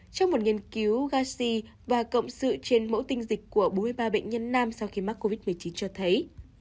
trong một nghiên cứu gassi và cộng sự trên mẫu tinh dịch của bốn mươi ba bệnh nhân nam sau khi mắc covid một mươi chín cho thấy